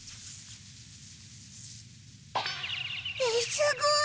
すごい！